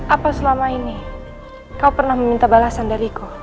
apa selama ini kau pernah meminta balasan dari kau